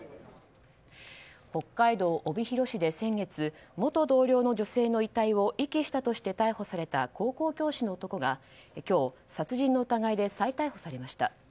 北海道帯広市で先月元同僚の女性の遺体を遺棄したとして逮捕された高校教師の男が今日殺人の疑いで再逮捕されました。